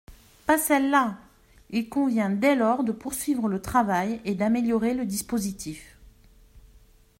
Pas celles-là ! Il convient dès lors de poursuivre le travail et d’améliorer le dispositif.